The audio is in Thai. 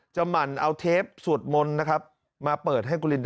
หมั่นเอาเทปสวดมนต์นะครับมาเปิดให้กุลิน